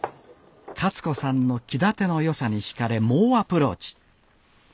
勝子さんの気立ての良さに引かれ猛アプローチ。